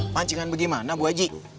pancingan bagaimana bu aji